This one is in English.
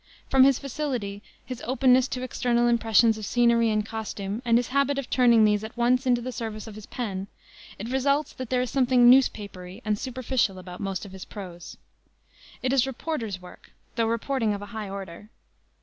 From his facility, his openness to external impressions of scenery and costume and his habit of turning these at once into the service of his pen, it results that there is something "newspapery" and superficial about most of his prose. It is reporter's work, though reporting of a high order.